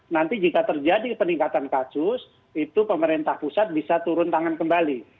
nanti jika terjadi peningkatan kasus itu pemerintah pusat bisa turun tangan kembali